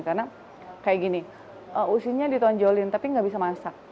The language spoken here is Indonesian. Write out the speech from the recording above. karena kayak gini usinya ditonjolin tapi gak bisa masak